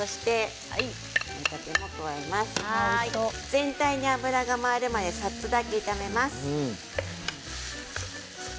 全体に油が回るまでさっと炒めます。